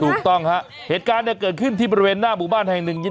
ถูกต้องฮะเหตุการณ์เกิดขึ้นที่บริเวณหน้าหมู่บ้านแห่งหนึ่ง